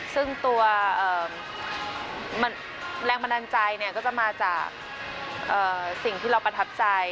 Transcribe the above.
ซึ่งตัวแรงบันดาลใจก็จะมาจากสิ่งที่เราประทับใจ